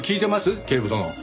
警部殿。